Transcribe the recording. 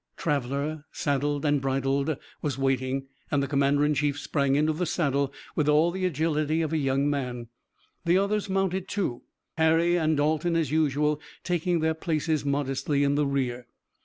Traveller, saddled and bridled, was waiting and the commander in chief sprang into the saddle with all the agility of a young man. The others mounted, too, Harry and Dalton as usual taking their places modestly in the rear.